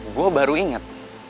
gue baru inget